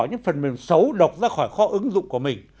những phần mềm xấu độc ra khỏi kho ứng dụng của mình